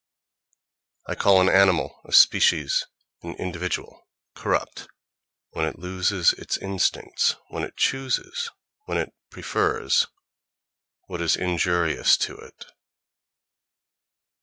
I call an animal, a species, an individual corrupt, when it loses its instincts, when it chooses, when it prefers, what is injurious to it.